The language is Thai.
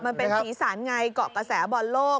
มันเป็นสีสันไงเกาะกระแสบอลโลก